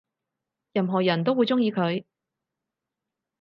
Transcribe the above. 任何人都會鍾意佢